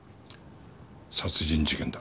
殺人事件だ。